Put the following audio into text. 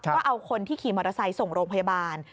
ก็เอาคนที่ขี่มอเตอร์ไซค์ส่งโรงพยาบาล